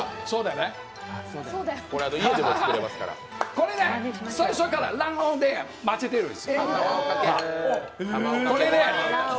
これね、最初から卵黄で混ぜてるんです。